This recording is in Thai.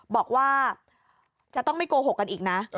บอกว่าจะต้องไม่โกหกกันอีกนะ